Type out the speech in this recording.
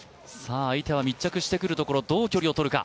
相手は密着してくるところ、どう距離をとるか。